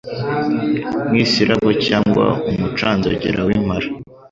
nk isirabo cyangwa umucanzogera w impara